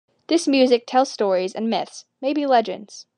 This music tells stories and myths, maybe legends.